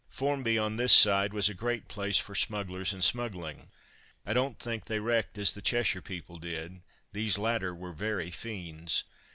Formby, on this side, was a great place for smugglers and smuggling. I don't think they wrecked as the Cheshire people did these latter were very fiends.